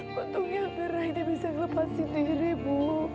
bodohnya berlai dia bisa lepasin diri bu